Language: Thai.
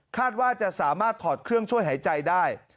ว่าจะสามารถถอดเครื่องช่วยหายใจได้